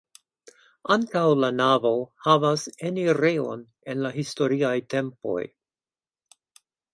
Ankaŭ la navo havas enirejon el la historiaj tempoj.